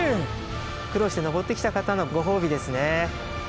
苦労して上ってきた方のごほうびですね。